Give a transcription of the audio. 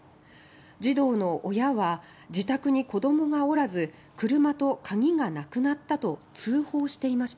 児童の親は自宅に子どもがおらず車と鍵がなくなったと通報していました。